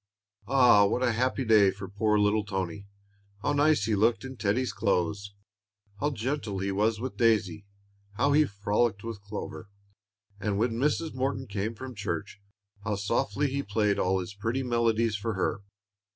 Ah, what a happy day for poor little Toni! How nice he looked in Teddie's clothes! how gentle he was with Daisy! how he frolicked with Clover! and when Mrs. Morton came from church, how softly he played all his pretty melodies for her!